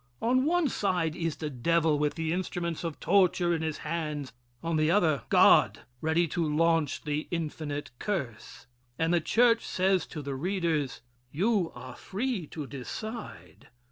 On one side is the devil, with the instruments of torture in his hands. On the other, God, ready to launch the infinite curse. And the church says to the readers: "You are free to decide.